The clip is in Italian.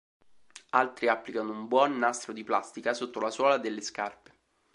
Altri applicano un buon nastro di plastica sotto la suola delle scarpe.